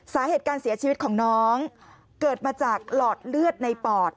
สาเหตุการเสียชีวิตของน้องเกิดมาจากหลอดเลือดในปอด